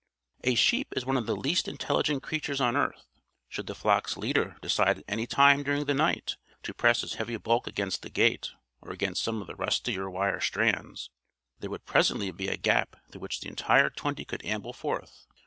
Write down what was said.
A sheep is one of the least intelligent creatures on earth. Should the flock's leader decide at any time during the night to press his heavy bulk against the gate or against some of the rustier wire strands, there would presently be a gap through which the entire twenty could amble forth.